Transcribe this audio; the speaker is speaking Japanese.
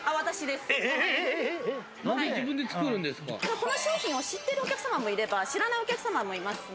この商品を知ってるお客様もいれば、知らないお客様もいる。